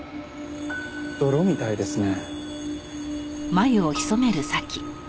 泥みたいですね。